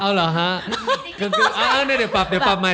เอาเหรอฮะเดี๋ยวปรับใหม่